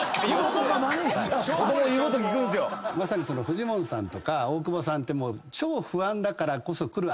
フジモンさんとか大久保さんって超不安だからこそ来る